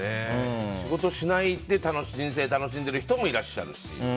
仕事しないで人生楽しんでる人もいらっしゃるし。